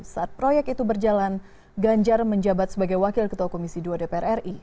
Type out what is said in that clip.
saat proyek itu berjalan ganjar menjabat sebagai wakil ketua komisi dua dpr ri